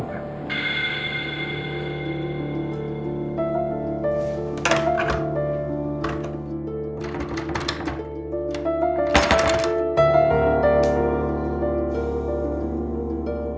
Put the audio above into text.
mungkin gue bisa dapat petunjuk lagi disini